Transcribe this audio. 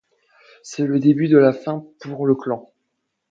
C'est le début de la fin pour le clan.